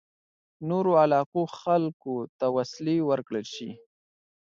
نورو علاقو خلکو ته وسلې ورکړل شي.